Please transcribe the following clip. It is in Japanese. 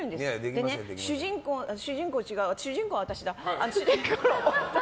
で、主人公主人公は私だ。